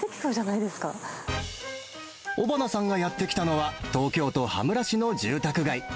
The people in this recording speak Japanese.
尾花さんがやって来たのは、東京都羽村市の住宅街。